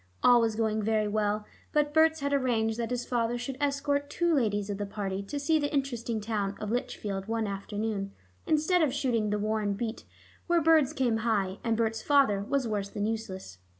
All was going very well, but Berts had arranged that his father should escort two ladies of the party to see the interesting town of Lichfield one afternoon, instead of shooting the Warren beat, where birds came high and Berts' father was worse than useless.